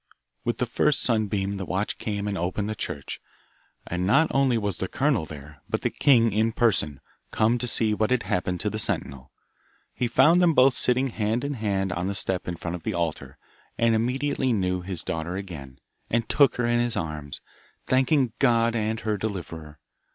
With the first sunbeam the watch came and opened the church, and not only was the colonel there, but the king in person, come to see what had happened to the sentinel. He found them both sitting hand in hand on the step in front of the altar, and immediately knew his daughter again, and took her in his arms, thanking God and her deliverer.